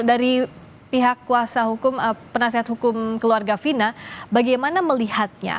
dari pihak kuasa hukum penasehat hukum keluarga fina bagaimana melihatnya